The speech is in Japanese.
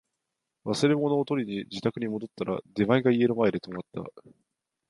忘れ物を取りに自宅に戻ったら、出前が家の前で止まった